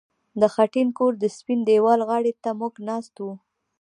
د خټین کور د سپین دېوال غاړې ته موږ ناست وو